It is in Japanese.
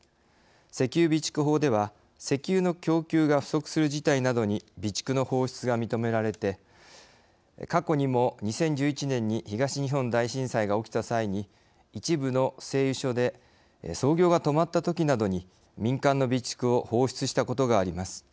石油備蓄法では石油の供給が不足する事態などに備蓄の放出が認められて過去にも２０１１年に東日本大震災が起きた際に一部の製油所で操業が止まったときなどに民間の備蓄を放出したことがあります。